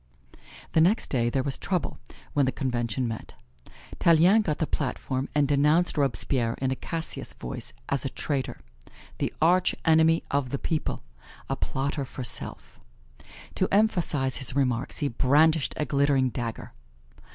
The next day there was trouble when the Convention met. Tallien got the platform and denounced Robespierre in a Cassius voice as a traitor the arch enemy of the people a plotter for self. To emphasize his remarks he brandished a glittering dagger.